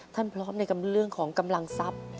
พร้อมในเรื่องของกำลังทรัพย์